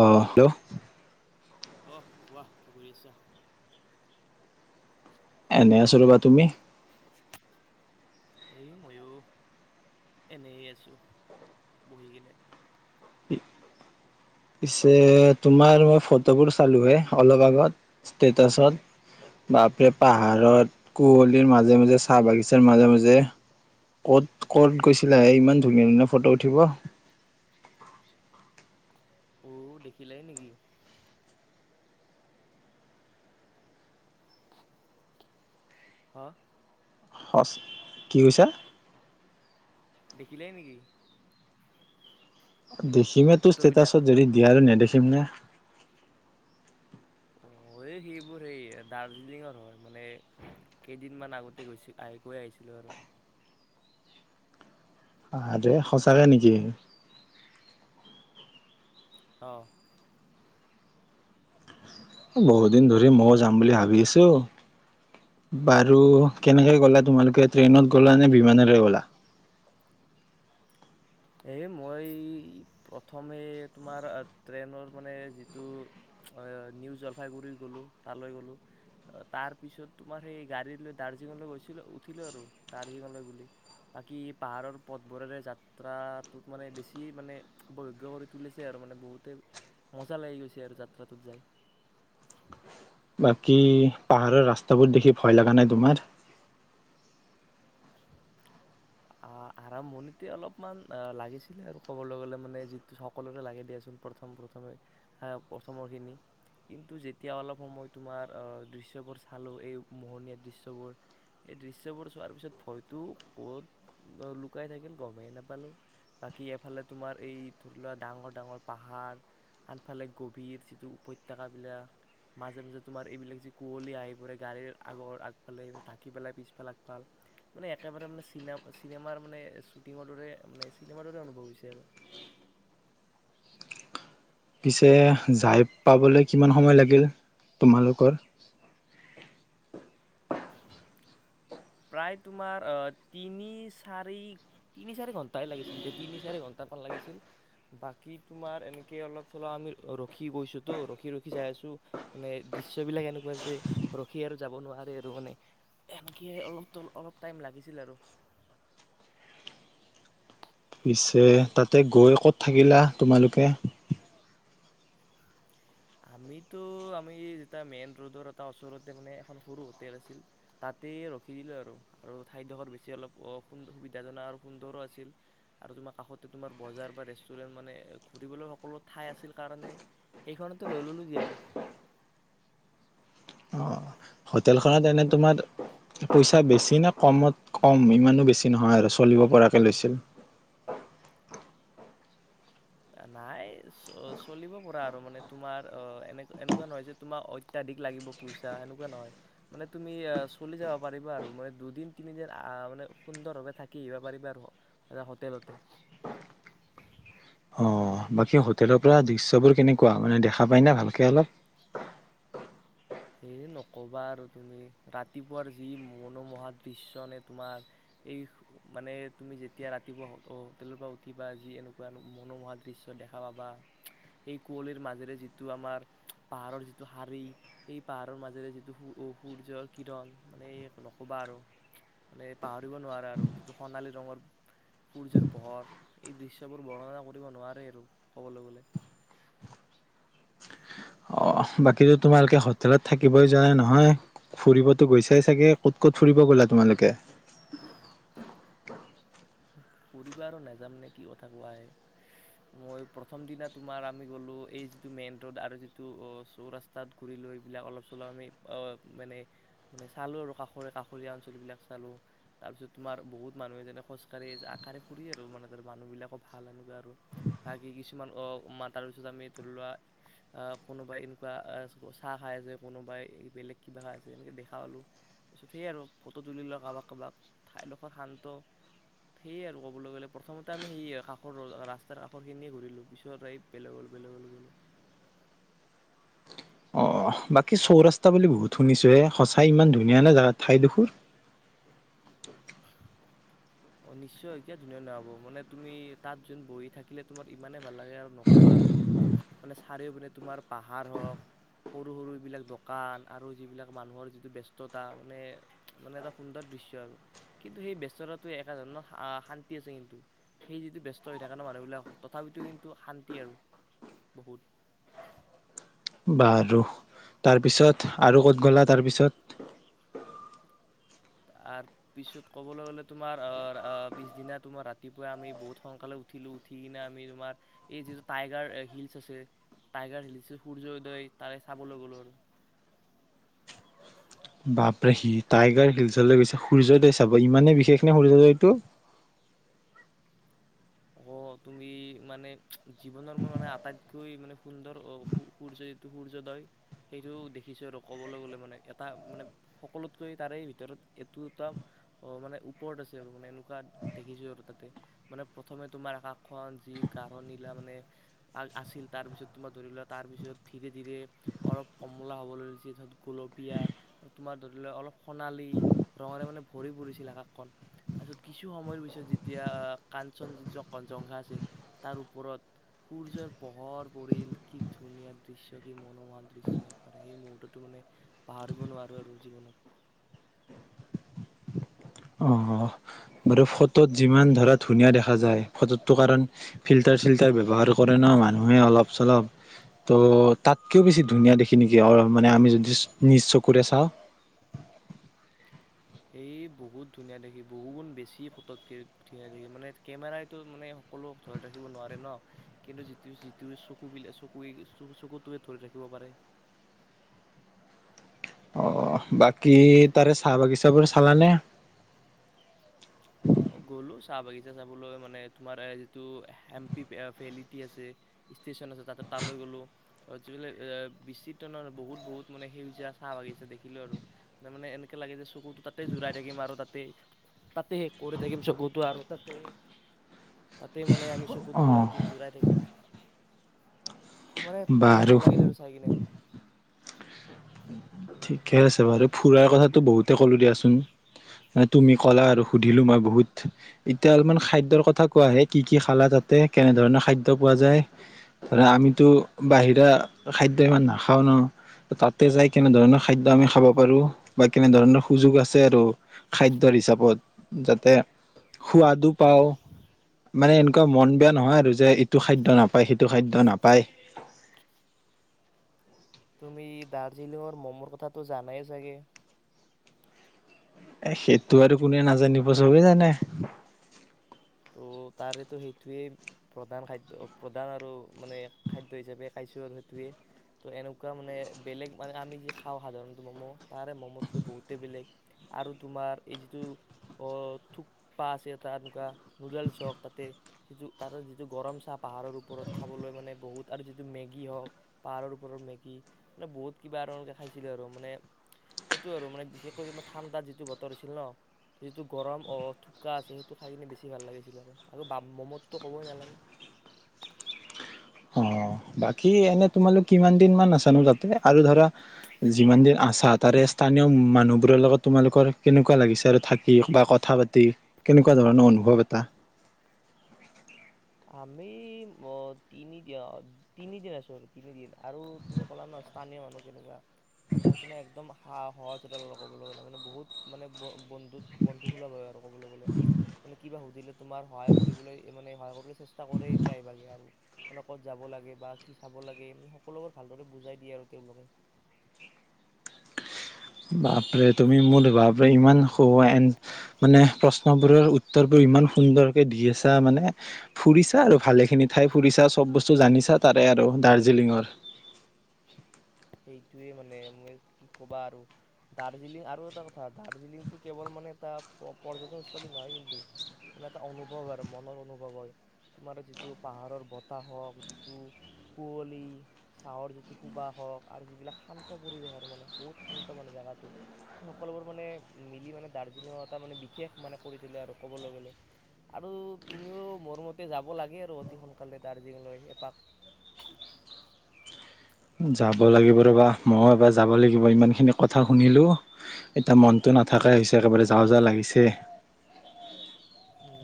অঁ হেল্ল'! অহ' কোৱা! কি কৰি আছা? এনেই আছো ৰ'বা! তুমি? এই মইয়ো এনেই আছোঁ বহি কিনে। পিছে তোমাৰ মই ফটোবোৰ চালো হে অলপ আগত ষ্টেটাচত। বাপৰে! পাহাৰত কুঁৱলীৰ মাজে মাজে চাহ বাগিচাৰ মাজে মাজে ক'ত ক'ত গৈছিলা হে ইমান ধুনীয়া ধুনীয়া ফটো উঠিব? অঔ দেখিলাই নেকি? হা? সচ কি কৈছা? দেখিলাই নেকি? দেখিমে তোৰ ফটোবিলাক ষ্টেটাচত যদি দিয়া আৰু নেদেখিম নে? অ' এই সেইবোৰ সেই দাৰ্জিলিঙৰ হয় মানে। কেইদিনমান আগতে গৈছিল আহি গৈ আহিছিলোঁ আৰু। দে সঁচাকে নেকি? অঁ। বহুত দিন ধৰি ময়ো যাম বুলি ভাবি আছো। বাৰু কেনেকে গ'লা তোমালোকে ট্ৰেইনত গ'লা নে বিমানেৰে গ'লা? এ মই প্ৰথমে তোমাৰ ট্ৰেইনৰ মানে যিটো নিউ জলফাইগুৰি গ'লো তালে গলোঁ। অ' তাৰ পিছত তোমাৰ সেই গাড়ী লৈ দাৰ্জিলিঙলৈ গৈছিলো উঠিলো আৰু দাৰ্জিলিঙলৈ বুলি। বাকী পাহাৰৰ পথবোৰেৰে যাত যাত্ৰাটোত মানে বেছি মানে উপভোগ্য কৰি তুলিছে আৰু মানে বহুতে মজা লাগি গৈছে আৰু যাত্ৰাটোত যায়। বাকী পাহাৰৰ ৰাস্তাবোৰ দেখি ভয় লগা নাই তোমাৰ? [inaudible] অ' আৰম্ভণিতে অলপমান অ' লাগিছিলে। ক'বলৈ গলে মানে যি সকলোৰে লাগে দিয়াচোন, প্ৰথম প্ৰথমে প্ৰথমৰ খিনি। কিন্তু যেতিয়া অলপ সময় তোমাৰ আহ' দৃশ্যবোৰ চালোঁ এই মোহনীয়া দৃশ্যবোৰ। সেই দৃশ্যবোৰ চোৱাৰ পিছত ভয়টো বহত লুকাই থাকিল, গমেই নাপালোঁ। বাকী এফালে তোমাৰ এই ধৰি লোৱা ডাঙৰ ডাঙৰ পাহাৰ। আনফালে গভীৰ যিটো উপত্যকাবিলাক। মাজে মাজে তোমাৰ এইবিলাক যি কুঁৱলী আহি পৰে, গাড়ীৰ আগৰ আগফালে থাকি পেলাই পিছফালে আগফাল। মানে একেবাৰে মানে চিনে-চিনেমাৰ মানে শ্বুটিঙৰ দৰে মানে চিনেমাৰ দৰে অনুভৱ হৈছে আৰু। পিছে যাই পাবলৈ কিমান সময় লাগিল তোমালোকৰ? প্ৰায় তোমাৰ তিনি-চাৰি তিনি-চাৰি ঘণ্টাই লাগিছিল, তিনি-চাৰি ঘণ্টামান লাগিছিল। বাকী তোমাৰ এনেকৈ অলপ-চলপ আমি ৰখি গৈছোঁতো, ৰখি ৰখি যাই আছোঁ। মানে দৃশ্যবিলাক এনেকুৱা যে ৰখি আৰু যাব নোৱাৰে। নহলে, এনকে অলপ অলপ টাইম লাগিছিল আৰু। পিছে তাতে গৈ ক'ত থাকিলা তোমালোকে? আমিতো আমি যেতিয়া মেইন ৰডত এটা ওচৰতে মানে এখন সৰু হোটেল আছিল। তাতেই ৰখি দিলোঁ আৰু আৰু ঠাইডোখৰ বেছি অলপ অ সুবিধাজনা আৰু সুন্দৰো আছিল। আৰু তোমাৰ কাষতে তোমাৰ বজাৰ বা ৰেষ্টুৰেণ্ট মানে ফুৰিবলে সকলো ঠাই আছিল কাৰণে। সেইখনতে লৈ ল'লো দে আৰু। অ' হোটেলখনত এনে তোমাৰ। পইচা বেছি নে কমত কম ইমানো বেছি নহয় চলিব পৰাকে লৈছিল। নাই চ-চলিব পৰা আৰু মানে তোমাৰ অ এনে-এনেকুৱা নহয় যে। তোমাৰ অত্যাধিক লাগিব পইচা সেনেকুৱা নহয়। মানে তুমি আহ চলি যাব পাৰিবা আৰু মানে দুদিন তিনিদিন আহ মানে সুন্দৰভাৱে থাকি আহিবা পাৰিবা আৰু। [unintelligible] হোটেলতে। অ' বাকী হোটেলৰ পৰা দৃশ্যবোৰ কেনেকুৱা মানে দেখা পাই না ভালকে অলপ। এ নক'বা আৰু তুমি ৰাতিপুৱাৰ যি মনোমোহা দৃশ্য নে তোমাৰ। এই মানে তুমি যেতিয়া ৰাতিপুৱা হ-হোটেলৰ পৰা উঠিবা যি এনেকুৱা মনোমোহা দৃশ্য দেখা পাবা। সেই কুঁৱলীৰ মাজেৰে যিটো আমাৰ পাহাৰৰ যিটো শাৰী। সেই পাহাৰৰ মাজেৰে যিটো সূৰ্যৰ কিৰণ মানে নক'বা আৰু। মানে পাহৰিব নোৱাৰা আৰু যিটো সোণালী ৰঙৰ সূৰ্যৰ পোহৰ এই দৃশ্যবোৰ বৰ্ণনা কৰিব নোৱাৰে আৰু ক'বলৈ গ'লে। অ বাকীতো তোমালোকে হোটেলত থাকিবই যোৱা নহয়। ফুৰিবতো গৈছাই চাগে ক'ত, ক'ত ফুৰিব গ'লা তোমালোকে। [inaudible] ফুৰিব আৰু নেযাম নে কি কথা কোৱাহে। মই প্ৰথম দিনা তোমাৰ আমি গ'লো এই যিটো মেইন ৰোড আৰু যিটো অ' চৌ ৰাস্তাত। ঘুৰি লৈ এইবিলাক অলপ চলপ আমি মানে। মানে চালোঁ আৰু কাষৰে কাষৰীয়া অঞ্চলবিলাক চালোঁ তাৰপিছত তোমাৰ বহুত মানুহে যেনে খোজ [unintelligible] মানুহ বিলাকো ভাল এনেকুৱা আৰু। [unintelligible] কিছুমান অ' মাতাল পিছত আমি ধৰি লোৱা। আহ কোনোবাই এনেকুৱা চাহ খাই আছে কোনোবাই বেলেগ কিবা খাই আছে সেনেকে দেখা পালোঁ। [unintelligible] পিছত সেই আৰু ফটো তুলিলোঁ কাবাক, কাবাক ঠাইডোখৰ শান্ত। সেই আৰু ক'বলৈ গ'লে প্ৰথমতে আমি সেই কাষৰ ৰাস্তাৰ কাষৰখিনিয়ে ঘূৰিলোঁ পিছত এই বেলেগৰ বেলেগলৈ গ'লো। অ' বাকী চৌ ৰাস্তা বুলি বহুত শুনিছোঁয়ে সঁচাই ইমান ধুনীয়া নে জাগা ঠাইডোখৰ? [inaudible] অ' নিশ্চয় কীয়া ধুনীয়া নহ'ব মানে তুমি তাত [unintelligible] বহি থাকিলে তোমাৰ ইমানেই ভাল লাগে আৰু নক'বা আৰু ম মানে চাৰিও পিনে তোমাৰ পাহাৰ হওক। সৰু, সৰুবিলাক দোকান আৰু যিবিলাক মানুহৰ যিটো ব্যস্ততা মানে। মানে এটা সুন্দৰ দৃশ্য আৰু সেই ব্যস্ততাটোৱে একে ধৰণৰ শান্তি আছে কিন্তু। সেই যিটো ব্যস্ত হৈ থাকে নহ মানুহবিলাক তথাপিতো কিন্তু শান্তি আৰু। বহুত। বাৰু তাৰপিছত আৰু ক'ত গ'লা তাৰপিছত। তাৰপিছত ক'বলৈ গ'লে তোমাৰ পিছদিনা তোমাৰ ৰাতিপুৱা আমি বহুত সোনকালে উঠ উঠিলোঁ উঠি কিনে আমি তোমাৰ এই যিটো টাইগাৰ হিলচ আছে। টাইগাৰ হিলছ যে সূৰ্য উদয় তাৰে চাবলৈ গ'লো আৰু। বাপৰেহি টাইগাৰ হিলছলৈ গৈছে সূৰ্যোদয় চাব ইমানে বিশেষ নে সূৰ্যোদয়টো অ' তুমি মানে জীৱনৰ মই মানে আটাইতকৈ মানে সুন্দৰ অ সূ-সূৰ্য [unintelligible] সূৰ্যোদয় সেইটো দেখিছোঁ আৰু ক'বলৈ গ'লে মানে এটা মানে [unintelligible] অ 'মানে ওপৰত আছে আৰু মানে এনেকুৱা দেখিছোঁ আৰু তাতে। মানে প্ৰথমে তোমাৰ আকাশখন গাৰো নীলা মানে- আছিল। তাৰপিছত তোমাৰ ধৰি লোৱা তাৰপিছত ধীৰে-ধীৰে- অলপ কমলা হ'বলৈ লৈছে তা'ত গোলপীয়া - তোমাৰ ধৰি লোৱা অলপ সোণালী ৰঙৰে মানে ভৰি পৰিছিল আকাশখন। তাৰপিছত কিছু সময়ৰ পিছত যেতিয়া কাঞ্চনজংঘা আছে তাৰ ওপৰত- সূৰ্যৰ পোহৰ পৰিল কি ধুনীয়া দৃশ্য, কি মনোমহা দৃশ্য বুলি পাৰে সেই মুহূৰ্তটো মানে। পাহৰিব নোৱাৰোঁ আৰু জীৱনত। অহ'। বাৰু ফটোত যিমান ধৰা ধুনীয়া দেখা যায় ফটোতটো কাৰণ- ফিল্টাৰ-চিল্টাৰ ব্যৱহাৰ কৰে ন' মানুহে অলপ-চলপ। ত' তা'তকৈও বেছি ধুনীয়া দেখি নেকি মানে আমি যদি নিজ চকুৰে চাওঁ। এই বহুত ধুনীয়া দেখি বহুগুণ বেছি ফট মানে একেবাৰে টো সকলো ধৰি ৰাখিব নোৱাৰে ন'। কিন্তু যিটো-যিটো চকু বিলাকে চকু-চকুটোৱে ধৰি ৰাখিব পাৰে। অহ', বাকী তাৰে চাহ-বাগিচাবোৰ চালা নে? অ', গ'লো চাহ-বাগিচা চাবলৈ মানে তোমাৰ যিটো হেম্পি ফেলিটি আছে। ষ্টেচন আছে তা'তে তালৈ গ'লো। ত' এ বিচিত্ৰ নহয় বহুত-বহুত মানে সেইজীয়া চাহ-বাগিছে দেখিলো আৰু। ত' মানে এনেকে লাগে যে চকুতো তাতেই জোৰাই থাকিম আৰু তাতেই- কৰি থাগিম চকুতো আৰু তা'তে- মানে আমি চকুত অ যোৰাটো যোৰাই থাকিম। মানে বহুত বাৰু ভাল লাগিলে আৰু চাই কিনে। ঠিকে আছে বাৰু, ফুুৰাৰ ক'লো দিয়াচোন। আৰু তুমি ক'লা আৰু সুধিলোঁ মই বহুত। এতিয়া অলপমান খাদ্যৰ কথা কোৱা'হে কি কি খালা তা'তে কেনে ধৰণৰ খাদ্য পোৱা যায়? আমিতো বাহিৰা খাদ্য ইমান নাখাওঁ ন' তা'তে যাই- কেনে ধৰণৰ খাদ্য আমি খাব পাৰো বা কেনে ধৰণৰ সুযোগ আছে আৰু। খাদ্যৰ হিচাপত, যাতে সোৱাদো পাওঁ। মানে এনেকুৱা মন নহয় আৰু যে ইটো খাদ্য নাপায়, খাদ্য নাপায়। তুমি দাৰ্জিলিঙৰ ম'মৰ কথাটো জানাই চাগে। এ' সেইটো আৰু কোনে নাজানিব চবেই জানে। তো তাৰেতো সেইটোৱেই- প্ৰধান খাদ্য, প্ৰধান আৰু মানে খাদ্য হিচাপে খাইছোঁ আৰু সেইটোৱে। তো এনেকুৱা মানে বেলেগ মানে আমি যি খাওঁ সাধাৰণতে ম'ম' তাৰে ম'মতকৈ বহুতেই বেলেগ। আৰু তোমাৰ এই যিটো অ' থোপ্পা আছে এটা এনেকুৱা। নুডেলছ হওঁক তাতে- যিটো তাতে যিটো গৰম চাহ পাহাৰৰ ওপৰত খাবলৈ মানে বহুত আৰু যিটো মেগী হওঁক। পাহাৰৰ ওপৰৰত মেগী মানে বহুত কিবা এ' এনেকে খাইছিলো আৰু মানে- সেইটো আৰু মানে বিশেষকৈ ঠাণ্ডাত যিটো বতৰ আছিল ন'। যিটো গৰম অ' থোপ্পা আছে সেইটো খাই কিনে বেছি ভাল আৰু, আৰু ম'ম'ততো ক'বই নালাগে। অ', বাকী এনেই তোমালোকে কিমান দিন মান আছা নো তা'তে? আৰু ধৰা- যিমান দিন আছা তাৰে- স্থানীয় মানুহবোৰৰ লগত তোমালোকৰ কেনেকুৱা লাগিছে আৰু থাকি বা কথা পাতি- কেনেকুৱা ধৰণৰ অনুভৱ এটা? আমি অ', তিনি তিনিদিন আছো আৰু তিনিদিন আৰু তুমি কলা ন স্থানীয় মানুহ কেনেকুৱা মই কৈছো না একদম। সা সহজ সৰল কবলৈ গলে মানে বহুত মানে ব বন্ধুত বন্ধুসোলভ হয় আৰু। কবলৈ গলে, মানে কিবা সুধিলে তোমাৰ সহায় কৰিবলৈ সহায় চেষ্টা কৰে প্ৰায়ভাগে আৰু। মানে ক'ত যাব লাগে বা কি চাব লাগে সকলোবোৰ ভালদৰে বুজাই দিয়ে আৰু তেওঁলোকে। বাপৰে তুমি মোৰ বাপৰে ইমান শু এন মানে প্ৰশ্ন বোৰৰ উত্তৰ বোৰ ইমান সুন্দৰকে দি মানে ফুৰিছা আৰু ভালে খিনি ঠাই ফুৰিছা চব বস্তু জানিছা তাৰে আৰু দাৰ্জিলিঙৰ। সেইটোৱে মানে মই কি কবা আৰু। দাৰ্জিলিং আৰু এটা কথা দাৰ্জিলিংতটো কেৱল মানে এটা পৰ্যটনস্থলী নহয় কিন্তু মানে এটা অনুভৱ আৰু মনৰ অনুভৱ হয়। তোমাৰ যিটো পাহাৰৰ বতাহ হওক যিটো কুঁৱলী চাহৰ যিটো সোবা হওক। আৰু যিবিলাক শান্ত পৰিৱেশ আৰু মানে বহুত শান্ত মানে জেগাটো। সকলোবোৰ মানে মিলি মানে দাৰ্জিলিঙৰ এটা মানে বিশেষ মানে কৰি দিলে আৰু ক'বলৈ গ'লে। আৰু তুমিও, মোৰ মতে যাব লাগে আৰু, অতি সোনকালে দাৰ্জিলিং লৈ এপাক। যাব লাগিব ৰ'বা, মই এবাৰ যাব লাগিব, ইমানখিনি কথা শুনিলো। এতিয়া মনতো নাথাকাই হৈছে, একেবাৰে যাও যাও লাগিছে।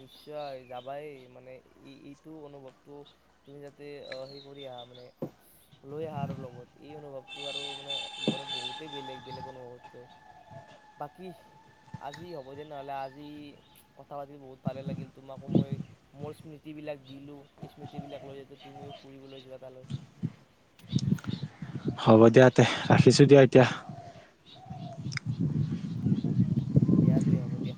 নিশ্চয়, যাবাই মানে এইটো অনুভৱটো তুমি যাতে অ হেৰি কৰি আহা মানে লৈ আহা আৰু লগত, এই অনুভৱটো আৰু মানে, মানে বহুতেই বেলেগ, বেলেগ অনুভৱতকৈ। বাকী আজি হ'ব দে নহ'লে আজি কথা পাতি বহুত ভালে লাগিল তোমাকো মই মোৰ স্মৃতিবিলাক দিলো। এই স্মৃতিবিলাক লৈ যাতে, তুমিও ফুৰিবলৈ যোৱা তালৈ। হ'ব দিয়া তে, ৰাখিছো দিয়া এতিয়া। দিয়া তে, হ'ব দিয়া।